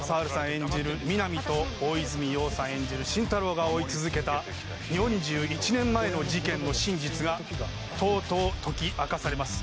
演じる皆実と大泉洋さん演じる心太朗が追い続けた４１年前の事件の真実がとうとう解き明かされます